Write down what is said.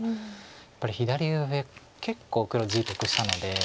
やっぱり左上結構黒地得したので。